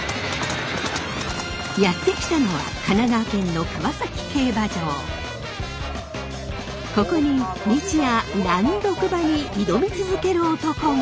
やって来たのはここに日夜難読馬に挑み続ける男が！